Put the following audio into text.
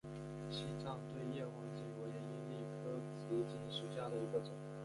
西藏对叶黄堇为罂粟科紫堇属下的一个种。